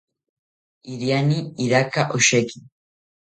iriani iraka osheki